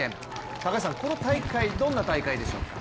高橋さん、この大会どんな大会でしょうか？